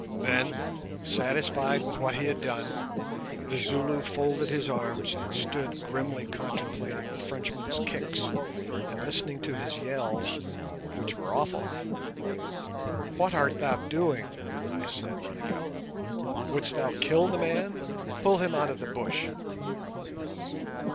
Then, satisfied with what he had done, the Zulu folded his arms and stood grimly contemplating the Frenchman's kicks, and listening to his yells, which were awful. "What art thou doing?" I said, running up. "Wouldst thou kill the man? Pull him out of the bush!"